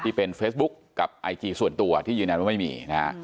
ที่เป็นเฟซบุ๊คกับไอจีส่วนตัวที่ยืนยันว่าไม่มีนะฮะ